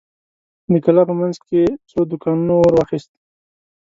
د کلا په مينځ کې څو دوکانونو اور واخيست.